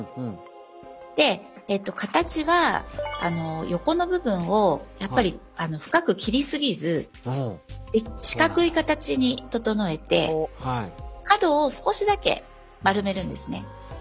で形は横の部分を深く切り過ぎず四角い形に整えて角を少しだけ丸めるんですね。